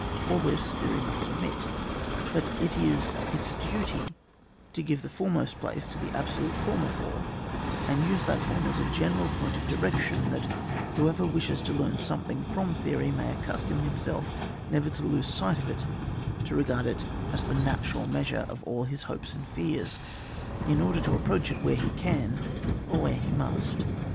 All this, theory must admit, but it is its duty to give the ioremost place to the abso lute form of war, and to use that form as a general point of direction, that whoever wishes to learn something from theory, may accustom himself never to lose sight of it, to regard it as the natural measure of all his hopes and fears, in order to approach it whtre he can^ or urhers he must.